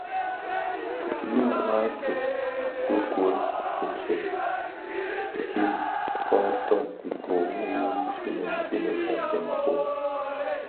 Bi ňwasèn ugôl Kitsem kin kōton ikōō u finèn finèn adyèn fō.